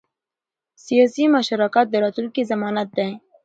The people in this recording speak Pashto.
سیاسي مشارکت د راتلونکي ضمانت دی